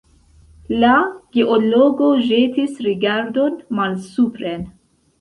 La geologo ĵetis rigardon malsupren.